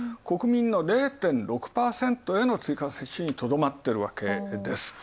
国民の０．５％の追加接種にとどまってるわけです。